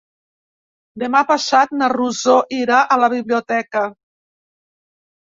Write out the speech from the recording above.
Demà passat na Rosó irà a la biblioteca.